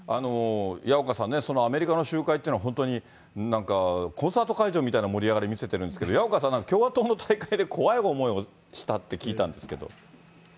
矢岡さんね、アメリカの集会っていうのは、本当になんか、コンサート会場みたいな盛り上がり見せてるんですけれども、矢岡さん、共和党の大会で怖い思いをしたって聞いたんですけど。